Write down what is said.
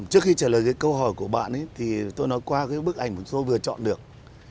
trước khi trả lời câu hỏi của bạn thì tôi nói qua bức ảnh tôi vừa chọn được